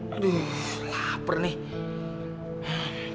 aduh lapar nih